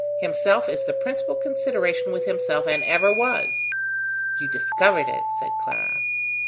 Himself is the principal consideration with himself, and ever was." "You discovered it!" said Clara.